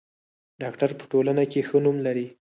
ډاکټر په ټولنه کې ښه نوم لري.